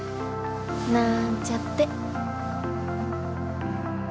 なんちゃって。